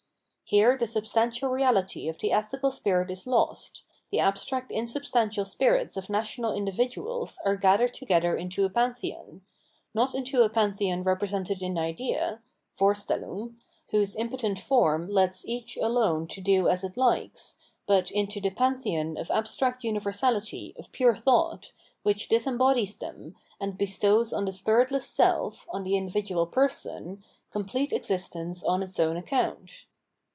Here the substantial reahty of the ethical spirit is lost, the abstract insub stantial spirits of national individuals are gathered together into a pantheon; not into a pantheon repre sented in idea (Vorstellung), whose impotent form lets each alone to do as it likes, but into the pantheon of abstract universahty, of pure thought, which disem bodies them, and bestows on the spiritless self, on the individual person, complete existence on its own ac count.